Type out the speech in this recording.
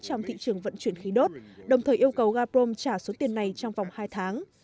trong thị trường vận chuyển khí đốt đồng thời yêu cầu gaprom trả số tiền này trong vòng hai tháng